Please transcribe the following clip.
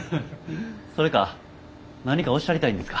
それか何かおっしゃりたいんですか？